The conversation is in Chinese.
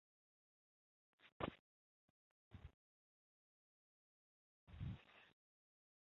双十暴动事件是徙置事务处职员与居民争执引起。